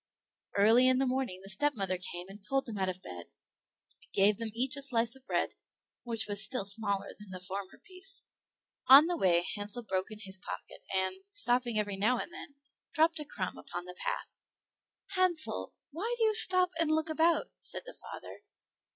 Early in the morning the stepmother came and pulled them out of bed, and gave them each a slice of bread, which was still smaller than the former piece. On the way Hansel broke his in his pocket, and, stopping every now and then, dropped a crumb upon the path. "Hansel, why do you stop and look about?" said the father.